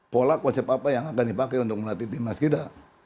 pola konsep apa yang akan dipakai untuk melatih tim mas gita